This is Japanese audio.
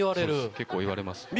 結構言われます。